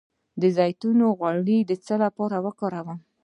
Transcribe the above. د زیتون غوړي د څه لپاره وکاروم؟